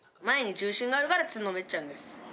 前に重心があるからつんのめっちゃうんです。